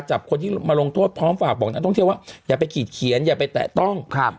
จับคนที่มาลงโทษพร้อมฝากบอกนักท่องเที่ยวว่าอย่าไปขีดเขียนอย่าไปแตะต้องครับ